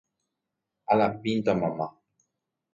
Alapínta mamá